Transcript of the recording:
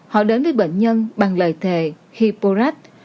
họ đến với bệnh nhân bằng lời thề hipporat